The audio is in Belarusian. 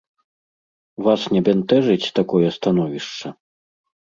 Вас не бянтэжыць такое становішча?